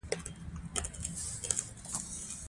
بهانه کول د چمګیره انسان کار دی